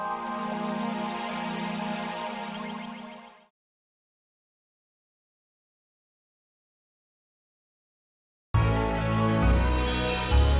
terima kasih mas